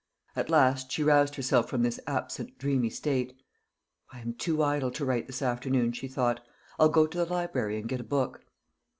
At last she roused herself from this absent dreamy state. "I am too idle to write this afternoon," she thought. "I'll go to the library and get a book."